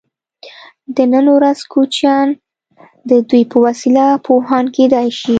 د نن ورځې کوچنیان د دوی په وسیله پوهان کیدای شي.